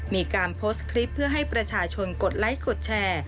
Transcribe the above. มีการโพสต์คลิปเพื่อให้ประชาชนกดไลค์กดแชร์